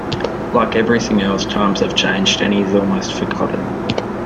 Like everything else, times have changed and he is almost forgotten.